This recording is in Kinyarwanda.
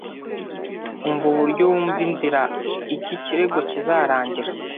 Umva uburyo wumva inzira iki kirego kizarangira